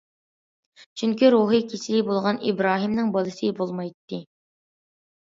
چۈنكى روھىي كېسىلى بولغان ئىبراھىمنىڭ بالىسى بولمايتتى.